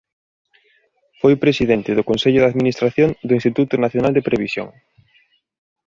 Foi presidente do Consello de Administración do Instituto Nacional de Previsión.